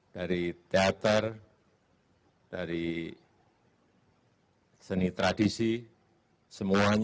dari teater dari seni tradisi semuanya